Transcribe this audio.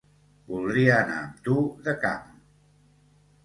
Voldria anar amb tu de cam